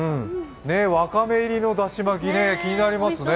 わかめ入りのだし巻き気になりますね。